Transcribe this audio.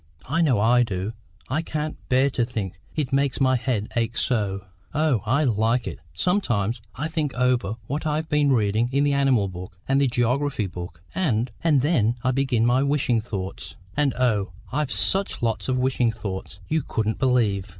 I know I do; I can't bear to think; it makes my head ache so." "Oh, I like it. Sometimes I think over what I've been reading, in the animal book, and the geography book; and and then I begin my wishing thoughts. And oh, I've such lots of wishing thoughts, you couldn't believe!"